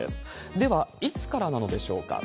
では、いつからなのでしょうか。